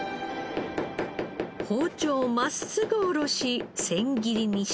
包丁を真っすぐ下ろし千切りにします。